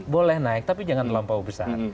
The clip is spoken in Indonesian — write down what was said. boleh naik tapi jangan terlampau besar